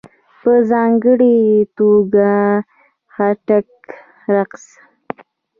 په ځانګړې توګه ..خټک رقص..